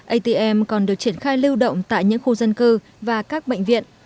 atm còn được triển khai lưu động tại những khu dân cư và các bệnh viện